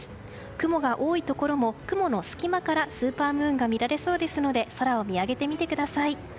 雲が多いところも雲の隙間からスーパームーンが見られそうですので空を見上げてみてください。